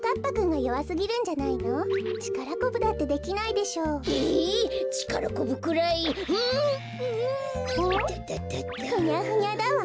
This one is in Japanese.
ふにゃふにゃだわ。